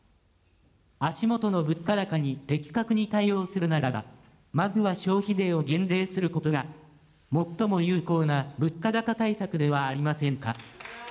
足下の物価高に的確に対応するならば、まずは消費税を減税することが最も有効な物価高対策ではありませんか。